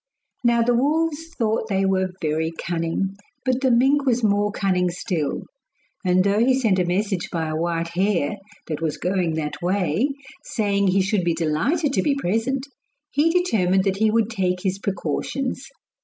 Now the wolves thought they were very cunning, but the mink was more cunning still; and though he sent a message by a white hare, that was going that way, saying he should be delighted to be present, he determined that he would take his precautions.